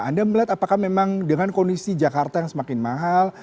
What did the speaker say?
anda melihat apakah memang dengan kondisi jakarta yang semakin mahal